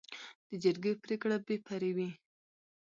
د جرګې پریکړه بې پرې وي.